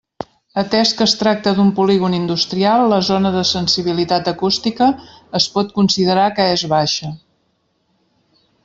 Atès que es tracta d'un polígon industrial, la zona de sensibilitat acústica es pot considerar que és baixa.